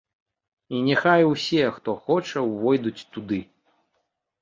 І няхай усе, хто хоча, увойдуць туды.